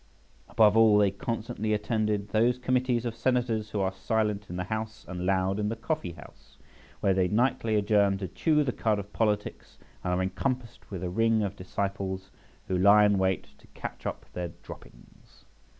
Above all, they constantly attended those committees of Senators who are silent in the House and loud in the coffee house, where they nightly adjourn to chew the cud of politics, and are encompassed with a ring of disciples who lie in wait to catch up their droppings.